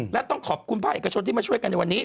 และต้องขอบคุณภาคเอกชนที่มาช่วยกันในวันนี้